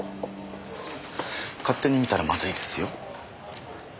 勝手に見たらまずいですよ。